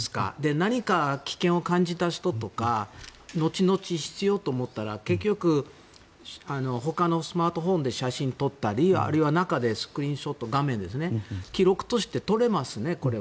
何か危険を感じた人とか後々、必要と思ったら結局、他のスマートフォンで写真を撮ったりあるいは中でスクリーンショット記録として撮れますね、これは。